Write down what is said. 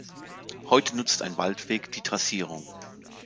Heute nutzt ein Waldweg die Trassierung.